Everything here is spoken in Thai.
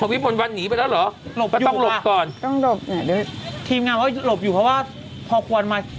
อ๋อวิมวลวันหนีไปแล้วเหรอ